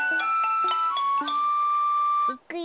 いくよ。